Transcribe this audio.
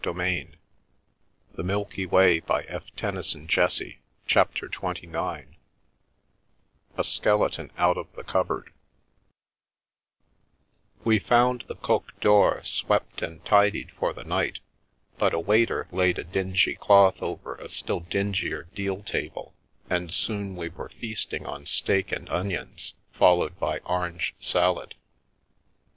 Grandpa ! This is very intrigu ing !" thought I to myself. CHAPTER XXIX A SKELETON OUT OF THE CUPBOARD WE found the Coq d'Or swept and tidied for the night, but a waiter laid a dingy cloth over a still dingier deal table, and soon we were feasting on steak and onions, followed by orange salad.